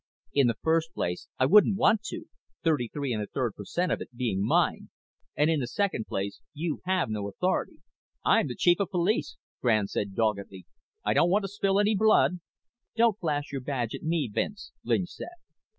"In the first place I wouldn't want to, thirty three and a third per cent of it being mine, and in the second place you have no authority." "I'm the chief of police," Grande said doggedly. "I don't want to spill any blood " "Don't flash your badge at me, Vince," Lynch said.